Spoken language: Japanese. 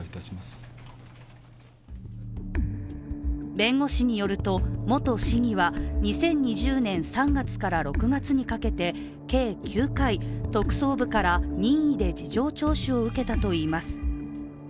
弁護士によると、元市議は２０２０年３月から６月にかけて計９回、特捜部から任意で事情聴取を受けたといいます。